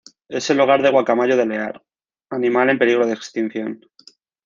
Es el hogar de guacamayo de Lear, animal en peligro de extinción.